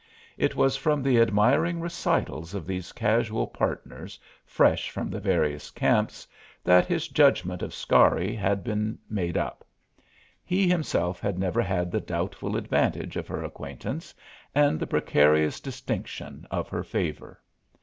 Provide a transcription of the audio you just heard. It was from the admiring recitals of these casual partners, fresh from the various camps, that his judgment of Scarry had been made up; he himself had never had the doubtful advantage of her acquaintance and the precarious distinction of her favor.